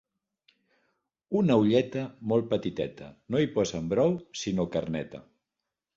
Una olleta molt petiteta. No hi posen brou sinó carneta.